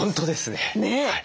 ねえ。